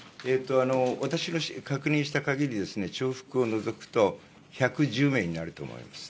私が確認したかぎり、重複を除くと、１１０名になると思います。